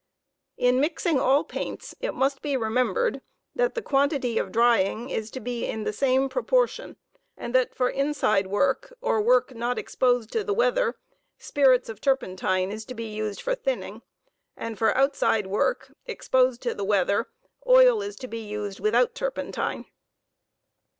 In mixing all paints it rirnst be remembered that the quantity of drying is to be in the same proportion, and that for inside work, or work not exposed to the weather, spirits of turpentine is to be used for thinning, and for outside .work, exposed to the weather, oil is to be used without turpentine.